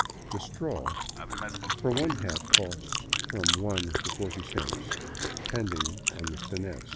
The " straw " for one hat costs from one to forty cents, depending on the fineness.